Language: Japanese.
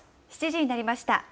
７時になりました。